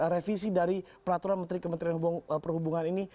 revisi dari peraturan menteri kementerian perhubungan ini